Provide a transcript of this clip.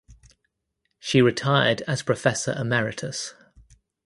She retired as professor emeritus.